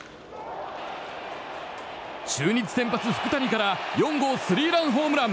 中日先発、福谷から４号スリーランホームラン。